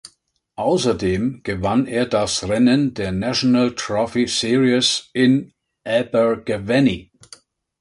Außerdem gewann er das Rennen der National Trophy Series in Abergavenny.